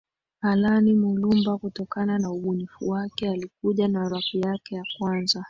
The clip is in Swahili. Allain Mulumba kutokana na ubunifu wake alikuja na rap yake ya kwanza